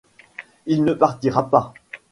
Il ne partira pas.